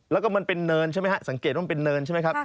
แล้วก็มันเป็นเนินใช่ไหมฮะสังเกตว่ามันเป็นเนินใช่ไหมครับ